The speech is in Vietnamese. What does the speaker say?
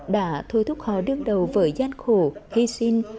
đã thôi thúc họ đương đầu với gian khổ hy sinh